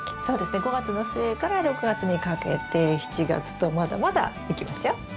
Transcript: そうですね５月の末から６月にかけて７月とまだまだできますよ。